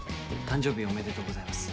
誕生日おめでとうございます。